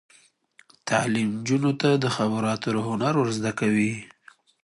تعلیم نجونو ته د خبرو اترو هنر ور زده کوي.